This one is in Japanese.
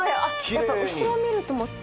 やっぱ後ろを見るともっと。